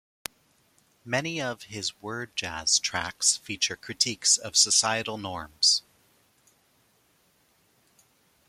Many of his word jazz tracks feature critiques of societal norms.